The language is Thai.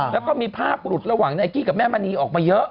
แล้วก็มีภาพหลุดระหว่างไนกี้กับแม่มณีออกมาเยอะ